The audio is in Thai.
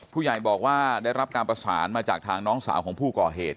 ผู้ใหญ่บอกว่าได้รับการประสานมาจากทางน้องสาวของผู้ก่อเหตุ